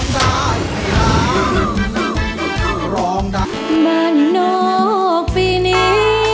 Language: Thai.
บ้านนอกปีนี้